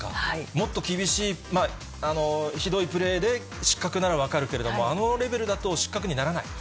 もっと厳しい、ひどいプレーで失格なら分かるけれども、あのレベルだと失格にはならない？